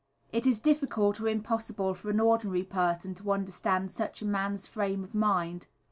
It is difficult, or impossible, for an ordinary person to understand such a man's frame of mind.